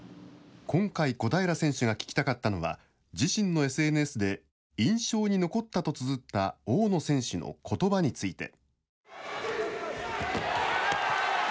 今回小平選手が聞きたかったのは自身のＳＮＳで印象に残ったとつづった大野選手の言葉について。